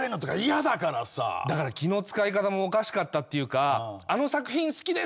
だから気の使い方もおかしかったっていうか「あの作品好きです！」